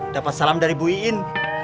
dapat salam dari bu iin